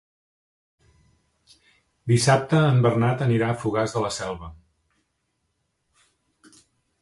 Dissabte en Bernat anirà a Fogars de la Selva.